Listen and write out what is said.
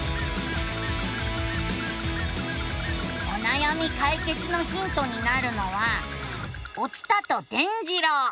おなやみかいけつのヒントになるのは「お伝と伝じろう」！